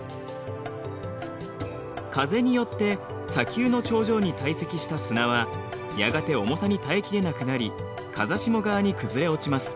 風によって砂丘の頂上に堆積した砂はやがて重さに耐え切れなくなり風下側に崩れ落ちます。